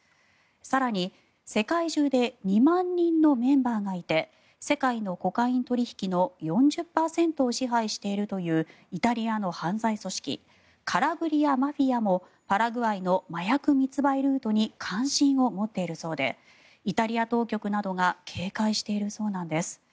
更に、世界中で２万人のメンバーがいて世界のコカイン取引の４０％を支配しているというイタリアの犯罪組織カラブリアマフィアもパラグアイの麻薬密売ルートに関心を持っているそうでイタリア当局などが警戒しているそうなんです。